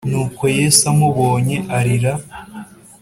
Nuko Yesu amubonye arira